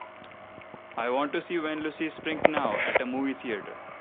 I want to see Wenn Lucy springt now at a movie theatre.